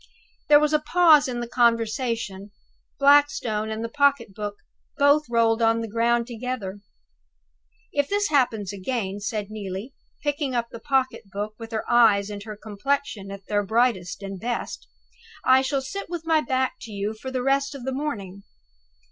There was a pause in the conversation. Blackstone and the pocket book both rolled on the ground together. "If this happens again," said Neelie, picking up the pocket book, with her eyes and her complexion at their brightest and best, "I shall sit with my back to you for the rest of the morning.